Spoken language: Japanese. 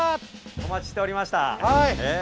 お待ちしておりました。